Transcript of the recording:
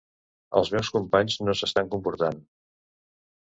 Els meus companys no s'estan comportant.